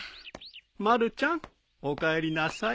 ・まるちゃんおかえりなさい。